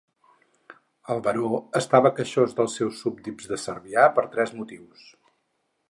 El Baró estava queixós dels seus súbdits de Cervià per tres motius.